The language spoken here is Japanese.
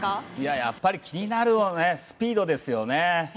やっぱり気になるのはスピードですよね。